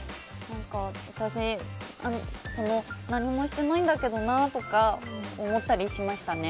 私、何もしてないんだけどなとか思ったりしましたね。